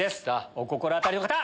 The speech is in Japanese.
お心当たりの方！